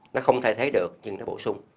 nó không thay thế được nhưng nó bổ sung